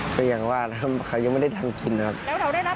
ก็ยังว่านะครับเขายังไม่ได้ทำกินนะครับ